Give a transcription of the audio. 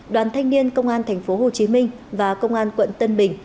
đoàn thanh niên công an tp hcm và công an quận tân bình